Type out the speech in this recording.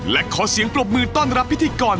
และขอเสียงปรบมือต้อนรับพิธีกร